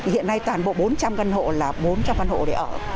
hiện nay toàn bộ bốn trăm linh căn hộ là bốn trăm linh căn hộ để ở